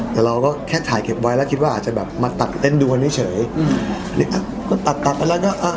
แต่เราก็แค่ถ่ายเก็บไว้แล้วคิดว่าอาจจะมาตัดแต้นดูกันเพียงเฉย